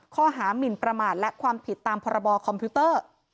ข้อหามินประมาทและความผิดตามพรบคอมพิวเตอร์